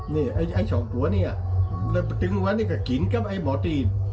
นี่ไอ้สองตัวเนี่ยแล้วดึงไว้นี่ก็กินกับไอ้หมอตีน